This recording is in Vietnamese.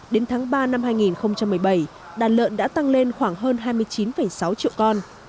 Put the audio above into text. đến tháng ba năm hai nghìn một mươi bảy đàn lợn đã tăng lên khoảng hơn hai mươi chín sáu triệu con